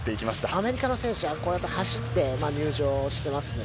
アメリカの選手はこうやって走って入場してますね。